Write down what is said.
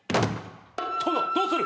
殿どうする！